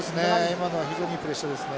今のは非常にいいプレッシャーですね。